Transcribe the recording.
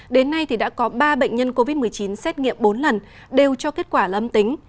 đến nay đã có ba bệnh nhân covid một mươi chín xét nghiệm bốn lần đều cho kết quả là âm tính